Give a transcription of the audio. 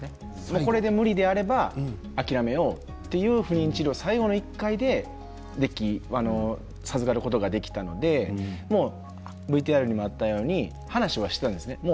これで無理であれば諦めようというふうに治療を最後の１回で授かることができたのでＶＴＲにもあったように話はしていたんです。